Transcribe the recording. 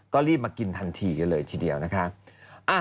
ก็รีบมากินทันทีกันเลยทีเดียวนะคะ